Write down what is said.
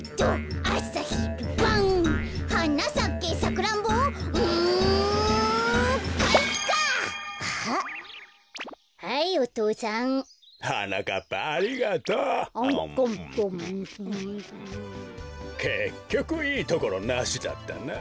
こころのこえけっきょくいいところなしだったな。